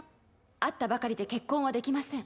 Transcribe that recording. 会ったばかりで結婚はできません。